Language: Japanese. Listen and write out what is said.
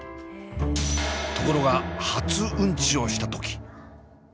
ところが初うんちをした時。